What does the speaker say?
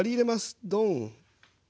ドン。